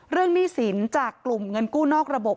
หนี้สินจากกลุ่มเงินกู้นอกระบบ